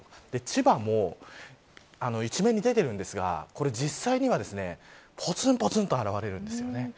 千葉も一面に出ているんですがこれ、実際にはですねぽつんぽつんと現れるんですよね。